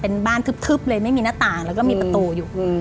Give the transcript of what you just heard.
เป็นบ้านทึบเลยไม่มีหน้าต่างแล้วก็มีประตูอยู่